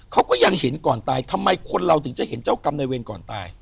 เขาก็ยังเห็นก่อนตายทำไมคนเราถึงจะเห็นเจ้ากรรมในเวรก่อนตาย